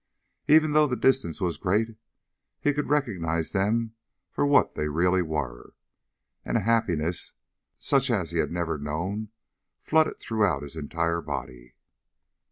Even though the distance was great, he could recognize them for what they really were. And a happiness such as he had never known flooded throughout his entire body.